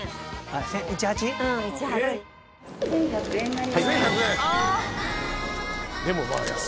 １，１００円になります。